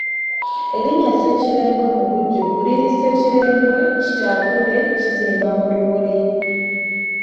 Erinnya Ssekirembwe mu bujjuvu liri Ssekirembwe kitaakule kizimba mu lumuli.